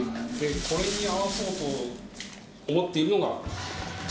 これに合わそうと思っているのがザーサイ。